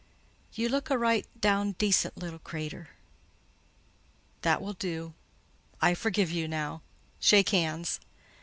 You look a raight down dacent little crater." "That will do—I forgive you now. Shake hands."